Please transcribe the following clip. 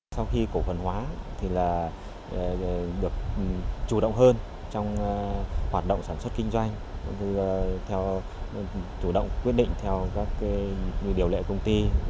sau khi cổ phần hóa thì là được chủ động hơn trong hoạt động sản xuất kinh doanh chủ động quyết định theo các điều lệ công ty